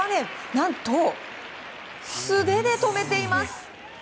何と素手で止めています。